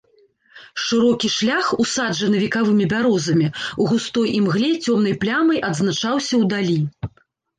Шырокі шлях, усаджаны векавымі бярозамі, у густой імгле цёмнай плямай адзначаўся ўдалі.